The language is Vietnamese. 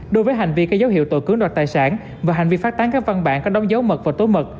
đối với hành vi có dấu hiệu tội cưỡng đoạt tài sản và hành vi phát tán các văn bản có đóng dấu mật và tối mật